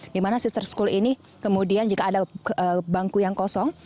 di mana sister school ini kemudian jika ada bangku yang kosong